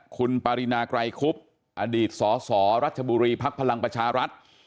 คุณปรินาไกรคุบอดีตสสรัชบุรีภักดิ์พลังประชารัฐ